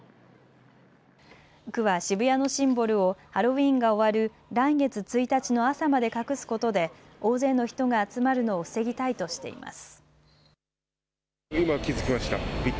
区は渋谷のシンボルをハロウィーンが終わる来月１日の朝まで隠すことで大勢の人が集まるのを防ぎたいとしています。